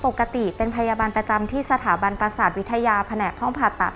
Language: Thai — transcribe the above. ปกติเป็นพยาบาลประจำที่สถาบันประสาทวิทยาแผนกห้องผ่าตัด